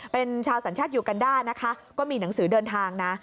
เป็นชาวศัลชัตริย์ยูกันด้าก็มีหนังสือเดินทางนะ